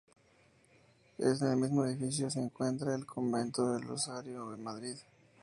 En el mismo edificio se encuentra el Convento del Rosario de Madrid.